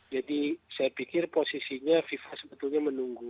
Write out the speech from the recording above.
jadi saya pikir posisinya fifa sebetulnya menunggu